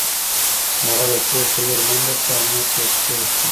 هغه د کور په لور منډه کړه او مور ته یې چیغې کړې